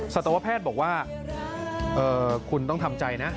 สัตวแพทย์บอกว่าคุณต้องทำใจนะ